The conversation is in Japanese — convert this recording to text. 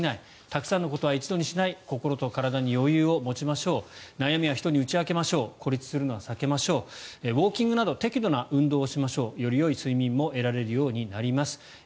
たくさんのことは一度にしない心と体に余裕を持ちましょう悩みは人に打ち明けましょう孤立するのを避けましょうウォーキングなど適度な運動をしましょうよりよい睡眠も得られるようになります。